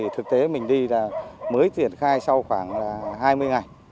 thực tế mình đi là mới triển khai sau khoảng là hai mươi ngày